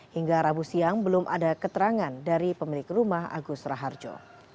hingga rabu siang belum ada keterangan dari pemilik rumah agus raharjo